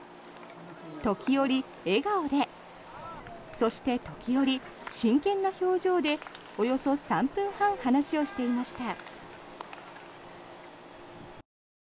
時折、笑顔でそして時折、真剣な表情でおよそ３分半話をしていました。